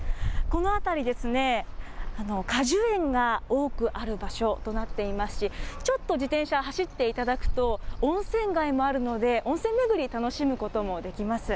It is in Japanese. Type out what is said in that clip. この辺りですね、果樹園が多くある場所となっていますし、ちょっと自転車、走っていただくと、温泉街もあるので、温泉巡り、楽しむこともできます。